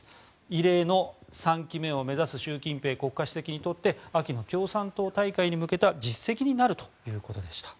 異例の３期目を目指す習近平国家主席にとって秋の共産党大会に向けた実績になるということでした。